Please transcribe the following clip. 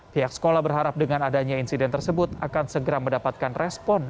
pihak sekolah berharap dengan adanya insiden tersebut akan segera mendapatkan respon